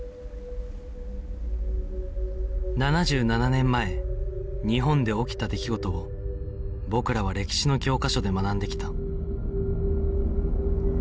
７７年前日本で起きた出来事を僕らは歴史の教科書で学んできた